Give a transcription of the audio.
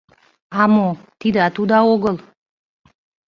— А мо, тидат уда огыл.